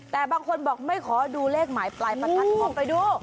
แต่บางคนบอกไม่ขอดูเลขหมายปลายประทัดลองไปดู